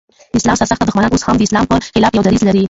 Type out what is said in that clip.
د اسلام سر سخته دښمنان اوس هم د اسلام پر خلاف يو دريځ لري.